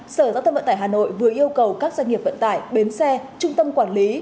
sở giao thông vận tải hà nội vừa yêu cầu các doanh nghiệp vận tải bến xe trung tâm quản lý